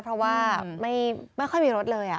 เพราะว่าไม่ค่อยมีรถเลย